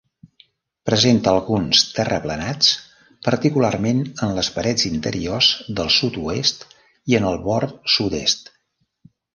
Presenta alguns terraplenats, particularment en les parets interiors del sud-oest, i en el bord sud-est.